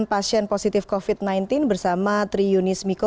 pasien positif covid sembilan belas bersama tri yunis miko